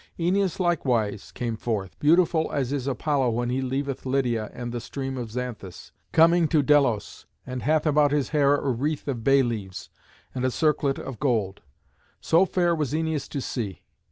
Æneas likewise came forth, beautiful as is Apollo when he leaveth Lydia and the stream of Xanthus, coming to Delos, and hath about his hair a wreath of bay leaves and a circlet of gold. So fair was Æneas to see.